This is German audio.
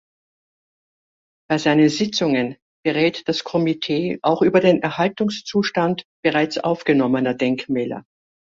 Bei seinen Sitzungen berät das Komitee auch über den Erhaltungszustand bereits aufgenommener Denkmäler.